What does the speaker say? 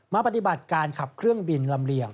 ปฏิบัติการขับเครื่องบินลำเลียง